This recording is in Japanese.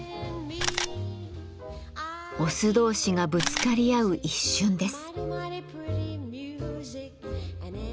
オス同士がぶつかり合う一瞬です。